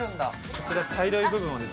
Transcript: こちら茶色い部分をですね